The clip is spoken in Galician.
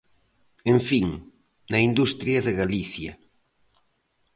En fin, na industria de Galicia.